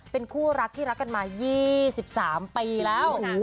เป็นคู่รักที่รักกันมา๒๓ปีแล้ว